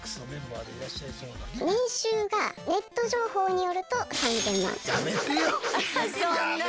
年収がネット情報によると３，０００万。